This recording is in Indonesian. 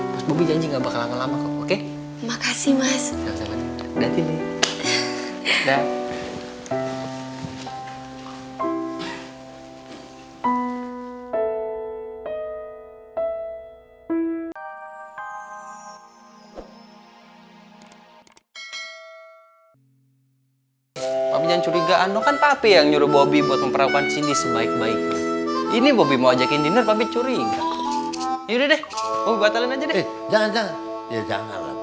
wuih masuk ya